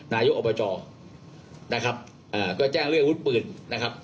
นายกอบจนะครับก็แจ้งเรื่องอาวุธปืนนะครับ